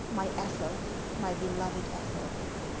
My Ethel, my beloved Ethel